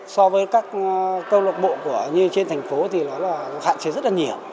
so với các câu độc bộ của như trên thành phố thì nó là hạn chế rất là nhiều